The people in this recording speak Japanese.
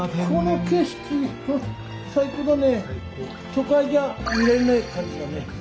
都会じゃ見られない感じだね。